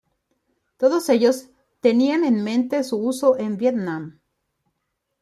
Todos ellos tenían en mente su uso en Vietnam.